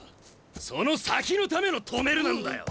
その先のための「止める」なんだよ！